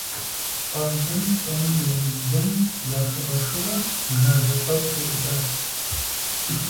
ЩӀалэм псоми еубзэм, захуигъэшурэ, «ӏужажэ» цӀэр теӀукӀат.